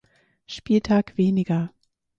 Spieltag weniger.